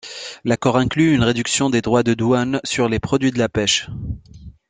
L'accord inclut une réduction des droits de douanes sur les produits de la pêche.